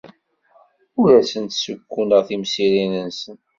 Ur asen-ssukkuneɣ timsirin-nsen.